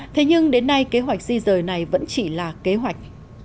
thế nhưng đến nay kế hoạch di rời này vẫn chỉ là kế hoạch